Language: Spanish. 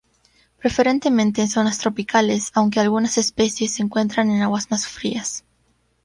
Preferentemente en zonas tropicales, aunque algunas especies se encuentran en aguas más frías.